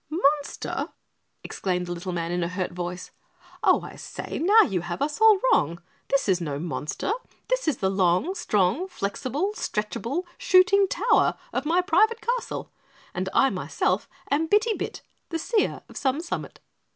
"Monster?" exclaimed the little man in a hurt voice. "Oh, I say now, you have us all wrong. This is no monster, this is the long, strong, flexible, stretchable SHOOTING TOWER of my private castle, and I, myself, am Bitty Bit, the Seer of Some Summit."